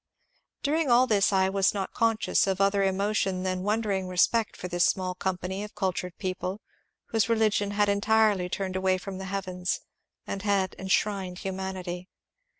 During all this I was not conscious of other emotion than wondering respect for this small company of cultured people whose religion had entirely turned away from the heavens, and had enshrined humanity.